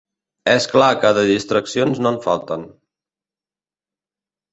És clar que de distraccions no en falten.